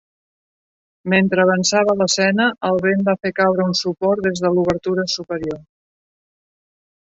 Mentre avançava l'escena, el vent va fer caure un suport des de l'obertura superior.